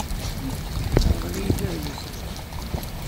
Terḍel-iyi-d adlis-nni.